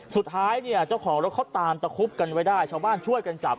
สุดท้ายเนี่ยเจ้าของรถเขาตามตะคุบกันไว้ได้ชาวบ้านช่วยกันจับ